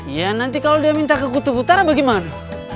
ya nanti kalau dia minta ke kutub utara bagaimana